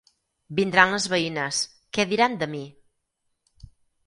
Vindran les veïnes: què diran de mi?